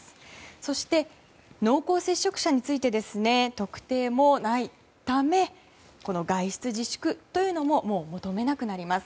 そして、濃厚接触者についての特定もないため外出自粛というのももう求めなくなります。